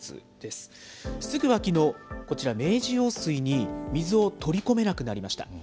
すぐ脇のこちら、明治用水に水を取り込めなくなりました。